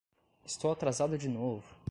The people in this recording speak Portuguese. Estou atrasado de novo!